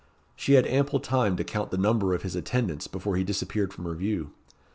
She had ample time to count the number of his attendants before he disappeared from her view.